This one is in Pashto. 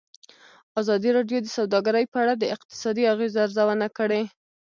ازادي راډیو د سوداګري په اړه د اقتصادي اغېزو ارزونه کړې.